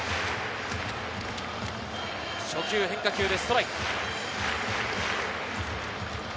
初球変化球でストライク。